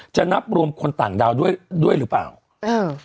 นับรวมคนต่างดาวด้วยด้วยหรือเปล่าเออ